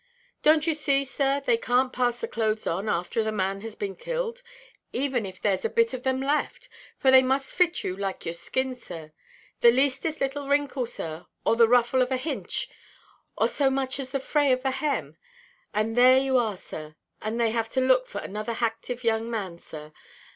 "Donʼt you see, sir, they canʼt pass the clothes on, after the man has been killed, even if thereʼs a bit of them left; for they must fit you like your skin, sir. The leastest little wrinkle, sir, or the ruffle of a hinch, or so much as the fray of a hem, and there you are, sir; and they have to look for another hactive young man, sir.